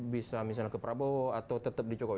bisa misalnya ke prabowo atau tetap di jokowi